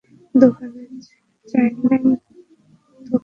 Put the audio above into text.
দোকানে চাইলেই তোকে দিবে না।